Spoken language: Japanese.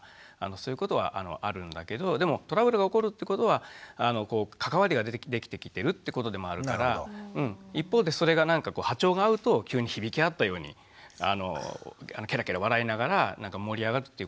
そういうことはあるんだけどでもトラブルが起こるってことは関わりができてきてるってことでもあるから一方でそれがなんか波長が合うと急に響きあったようにケラケラ笑いながら盛り上がるっていうこともあるし。